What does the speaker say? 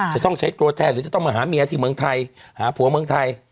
จะต้องใช้ตัวแทนหรือจะต้องมาหาเมียที่เมืองไทยหาผัวเมืองไทย